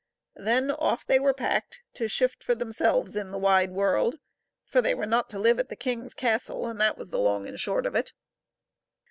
Then off they were packed to shift for themselves in the wide world, for they were not to live at the king's castle, and that was the long and the short of it.